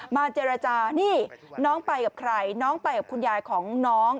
เจรจานี่น้องไปกับใครน้องไปกับคุณยายของน้อง